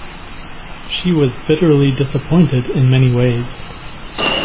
She was bitterly disappointed in many ways.